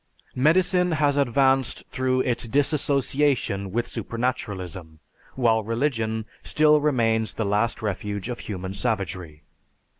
Medicine has advanced through its disassociation with supernaturalism, while religion still remains the last refuge of human savagery.